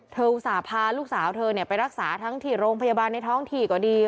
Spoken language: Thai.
อุตส่าห์พาลูกสาวเธอไปรักษาทั้งที่โรงพยาบาลในท้องถี่ก็ดี